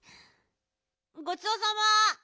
ごちそうさま。